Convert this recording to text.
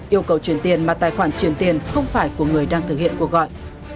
yêu cầu chuyển tiền mà tài khoản truyền tiền không phải của người đang thực hiện cuộc gọi